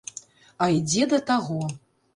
А ідзе да таго.